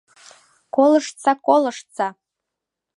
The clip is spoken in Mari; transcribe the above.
— Колыштса, колыштса!